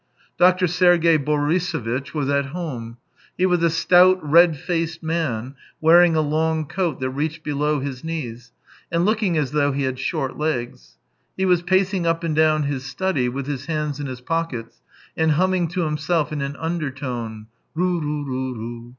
.Doctor Sergey Borisovitch was at home; he was a stout, red faced man, wearing a long coat that reached below his knees, and looking as though he had short legs. He was pacing up and down his study, with his hands in his pocket's, and hum ming to himself in an undertone, " Ru ru ru ru."